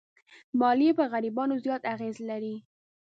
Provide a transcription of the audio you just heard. مالیې پر غریبانو زیات اغېز لري.